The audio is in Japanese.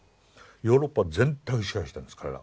ヨーロッパ全体を支配したんです彼らは。